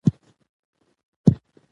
ټولنه به بدلون وویني.